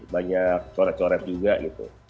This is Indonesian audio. banyak coret coret juga gitu